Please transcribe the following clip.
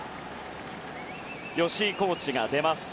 吉井コーチが出ます。